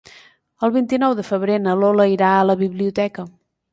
El vint-i-nou de febrer na Lola irà a la biblioteca.